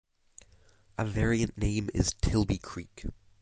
A variant name is "Tilby Creek".